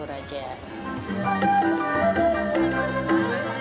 kita bersyukur saja